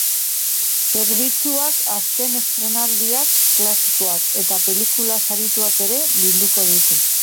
Zerbitzuak azken estreinaldiak, klasikoak eta pelikula sarituak ere bilduko ditu.